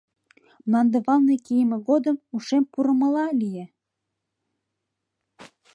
Мландывалне кийыме годым ушем пурымыла лие.